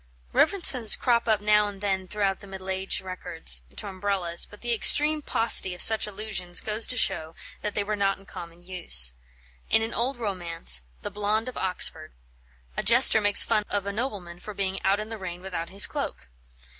References crop up now and then throughout the middle age records, to Umbrellas; but the extreme paucity of such allusions goes to show that they were not in common use. In an old romance, "The Blonde of Oxford," a jester makes fun of a nobleman for being out in the rain without his cloak.